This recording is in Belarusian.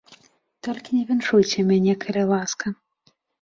Толькі не віншуйце мяне, калі ласка.